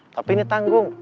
tapi ini tanggung